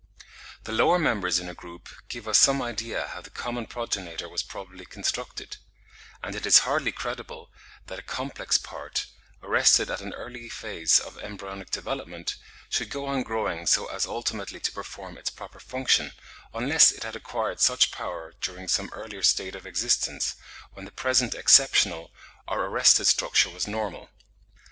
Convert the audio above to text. The lower members in a group give us some idea how the common progenitor was probably constructed; and it is hardly credible that a complex part, arrested at an early phase of embryonic development, should go on growing so as ultimately to perform its proper function, unless it had acquired such power during some earlier state of existence, when the present exceptional or arrested structure was normal.